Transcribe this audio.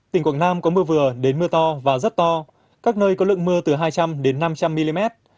tỉnh quảng nam có mưa vừa đến mưa to và rất to các nơi có lượng mưa từ hai trăm linh đến năm trăm linh mm